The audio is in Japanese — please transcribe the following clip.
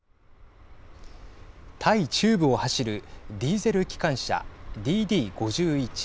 タイ中部を走るディーゼル機関車ＤＤ５１。